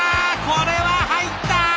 これは入った！